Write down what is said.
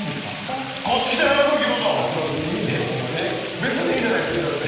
別にいいじゃないですかだって。